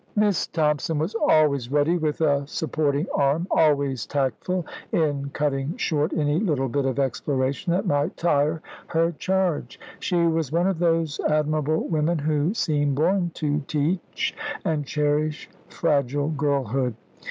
Miss Thompson was always ready with a supporting arm, always tactful in cutting short any little bit of exploration that might tire her charge. She was one of those admirable women who seem born to teach and cherish fragile girlhood.